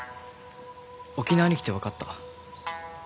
沖縄に来て分かった。